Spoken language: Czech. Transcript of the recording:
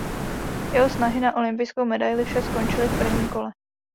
Jeho snahy na olympijskou medaili však skončily v prvním kole.